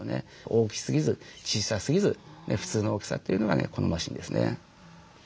大きすぎず小さすぎず普通の大きさというのがね好ましいんですね。